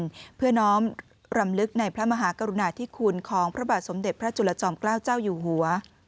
เพื่อน้อมรำลึกในพระมหากรุณาธิคุณของพระบาทสมเด็จพระจุลจอมเกล้าเจ้าอยู่หัว